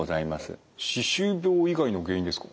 歯周病以外の原因ですか。